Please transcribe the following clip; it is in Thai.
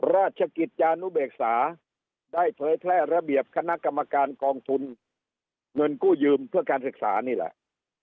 ราชกิจจานุเบกษาได้เผยแพร่ระเบียบคณะกรรมการกองทุนเงินกู้ยืมเพื่อการศึกษานี่แหละ